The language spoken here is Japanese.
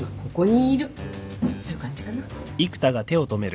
そういう感じかな。